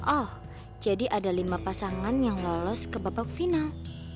oh jadi ada lima pasangan yang lolos ke babak final